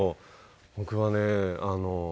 僕はね